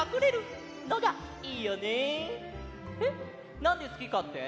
「なんですきか」って？